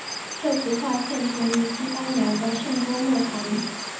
这幅画现存于西班牙的圣多默堂。